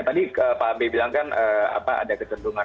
tadi pak abe bilang kan ada kecenderungan